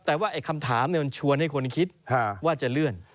แต่ว่าคำถามมันชวนให้คนคิดว่าจะเลื่อน